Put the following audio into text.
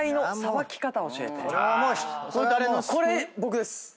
これ僕です。